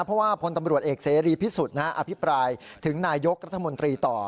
เพราะว่าพลตำรวจเอกเสรีพิสุทธิ์อภิปรายถึงนายกรัฐมนตรีต่อ